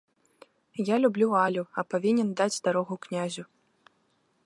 Я люблю Алю, а павінен даць дарогу князю.